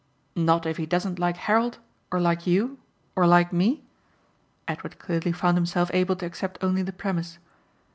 "Not if he doesn't like Harold or like you or like me?" Edward clearly found himself able to accept only the premise.